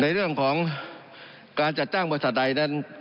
ในเรื่องของการจัดจ้างบริษัทใดนั้น